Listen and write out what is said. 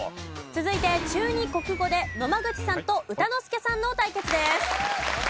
続いて中２国語で野間口さんと歌之助さんの対決です。